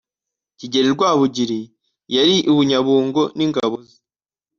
Kigeli Rwabugili yari i Bunyabungo n’ingabo ze